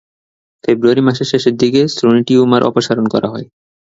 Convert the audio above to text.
ফেব্রুয়ারি মাসের শেষের দিকে শ্রোণী টিউমার অপসারণ করা হয়।